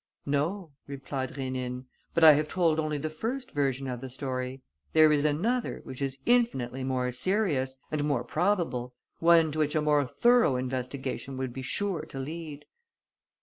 "No," replied Rénine, "but I have told only the first version of the story. There is another which is infinitely more serious ... and more probable, one to which a more thorough investigation would be sure to lead."